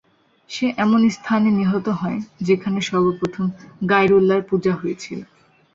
সে এমন স্থানে নিহত হয়, যেখানে সর্বপ্রথম গায়রুল্লাহর পূজা হয়েছিল।